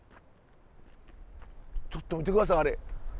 ちょっと見て下さいあれ。